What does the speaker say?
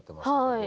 はい。